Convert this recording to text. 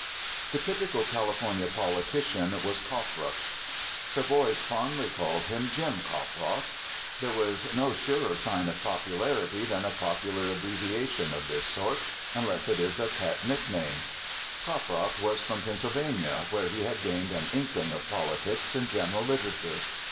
The typical California politician was Coffroth. The " boys " fondly called him " Jim " Coffroth. There is no surer sign of popularity than a popu lar abbreviation of this sort, unless it is a pet nick name. Coffroth was from Pennsylvania, where he had gained an inkling of politics and general literature.